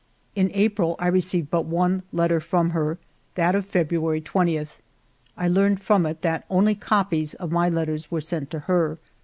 In April I received but one letter from her, — that of February 20. I learned from it that only copies of my letters were sent to her.